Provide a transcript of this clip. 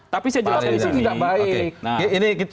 tapi saya jelas dulu itu tidak baik